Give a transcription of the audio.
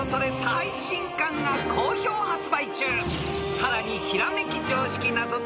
［さらに］